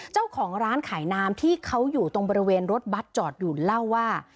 เจ้าของร้านขายน้ำที่เขาอยู่ตรงบริเวณรถบัตรจอดอยู่เล่าว่า